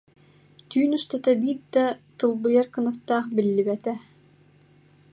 Түүн устата биир да тылбыйар кынаттаах биллибэтэ